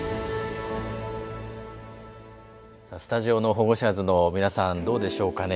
さあスタジオのホゴシャーズの皆さんどうでしょうかね。